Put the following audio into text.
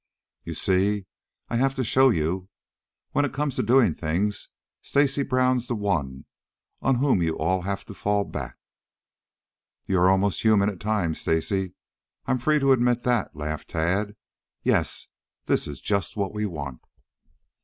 "You see, I have to show you. When it comes to doing things Stacy Brown's the one on whom you all have to fall back." "You are almost human at times, Stacy. I'm free to admit that," laughed Tad. "Yes, this is just what we want."